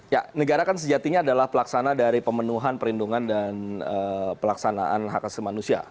ya negara kan sejatinya adalah pelaksana dari pemenuhan perlindungan dan pelaksanaan hak asli manusia